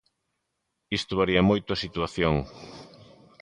Isto varía moito a situación.